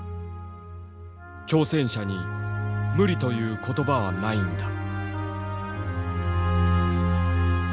「挑戦者に無理という言葉はないんだ」。